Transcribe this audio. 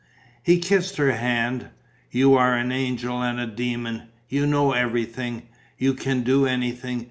He kissed her hand: "You are an angel and a demon. You know everything. You can do anything.